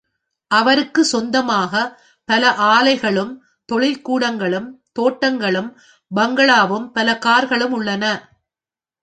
அவருக்கு சொந்தமாக பல ஆலைகளும், தொழிற்கூடங்களும், தோட்டங்களும், பங்களாவும் பல கார்களும் உள்ளன.